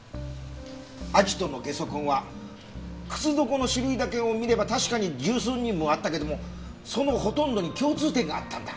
アジトのゲソ痕は靴底の種類だけを見れば確かに十数人分はあったけどもそのほとんどに共通点があったんだ。